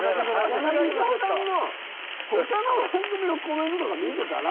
柳澤さんのほかの番組のコメントとか見てたら。